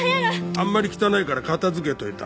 あんまり汚いから片付けといた。